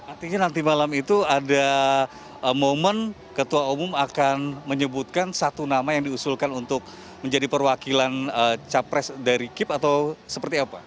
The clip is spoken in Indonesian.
artinya nanti malam itu ada momen ketua umum akan menyebutkan satu nama yang diusulkan untuk menjadi perwakilan capres dari kip atau seperti apa